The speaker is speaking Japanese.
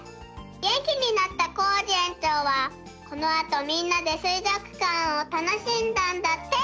げんきになったコージえんちょうはこのあとみんなですいぞくかんをたのしんだんだって」。